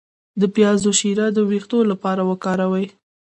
د پیاز شیره د ویښتو لپاره وکاروئ